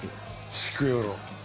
シクヨロ。